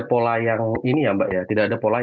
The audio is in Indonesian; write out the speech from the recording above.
pola yang ini ya mbak ya tidak ada pola